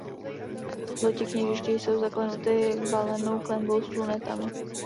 Loď i kněžiště jsou zaklenuty valenou klenbou s lunetami.